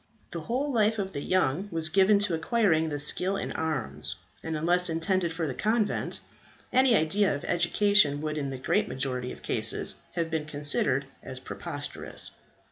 The whole life of the young was given to acquiring skill in arms; and unless intended for the convent, any idea of education would in the great majority of cases have been considered as preposterous.